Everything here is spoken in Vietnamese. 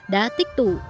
đã tích tụ